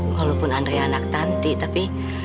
walaupun andre anak tante tapi